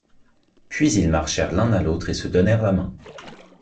Puis ils marchèrent l’un à l’autre et se donnèrent la main.